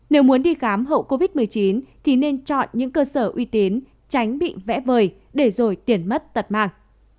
nếu muốn đi khám hậu covid một mươi chín thì nên chọn những cơ sở uy tín tránh bị vẽ vời để rồi tiền mất tật mang